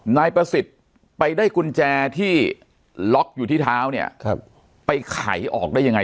นายประสิทธิ์ไปได้กุญแจที่ล็อกอยู่ที่เท้าเนี่ยไปไขออกได้ยังไง